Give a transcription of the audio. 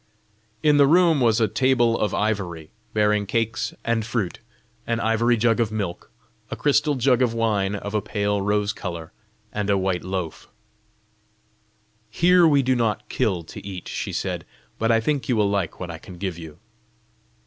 In the room was a table of ivory, bearing cakes and fruit, an ivory jug of milk, a crystal jug of wine of a pale rose colour, and a white loaf. "Here we do not kill to eat," she said; "but I think you will like what I can give you."